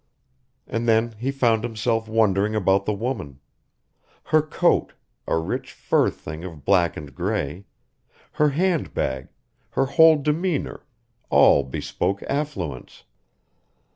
And then he found himself wondering about the woman. Her coat a rich fur thing of black and gray her handbag, her whole demeanor all bespoke affluence.